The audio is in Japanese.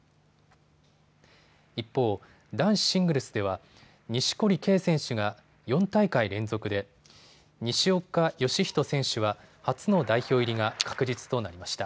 一方、男子シングルスでは錦織圭選手が４大会連続で、西岡良仁選手は初の代表入りが確実となりました。